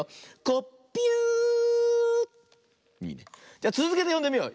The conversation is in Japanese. じゃつづけてよんでみよう。